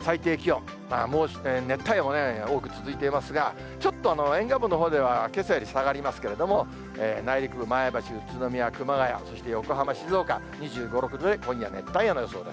最低気温、熱帯夜も多く続いていますが、ちょっと沿岸部のほうでは、けさより下がりますけれども、内陸部、前橋、宇都宮、熊谷、そして横浜、静岡２５、６度で、今夜、熱帯夜の予想です。